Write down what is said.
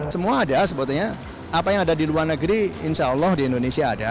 semua ada sebetulnya apa yang ada di luar negeri insya allah di indonesia ada